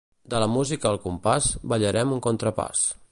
De la música al compàs ballarem un contrapàs.